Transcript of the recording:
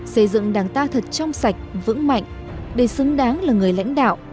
xây dựng đảng ta thật trong sạch vững mạnh để xứng đáng là người lãnh đạo